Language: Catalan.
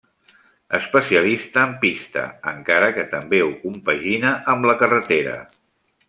Especialista en pista encara que també ho compagina amb la carretera.